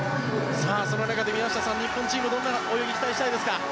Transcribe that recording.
その中で宮下さん、日本チームどんな泳ぎを期待したいですか？